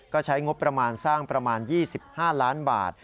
ก็ใช้งบประมาณสร้างประมาณ๒๕ล้านบาท